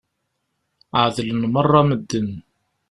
Ɛedlen meṛṛa medden.